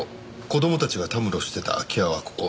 子供たちがたむろしてた空き家はここ。